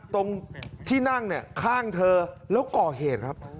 ตรงที่นั่งเนี่ยข้างเธอแล้วก่อเหตุครับ